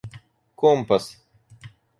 Компас